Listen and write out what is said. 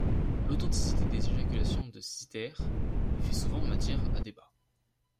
L'authenticité des éjaculations de Cytherea fait souvent matière à débat.